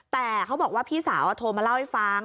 แต่เขาบอกว่าพี่สาวโทรมาเล่าให้ฟัง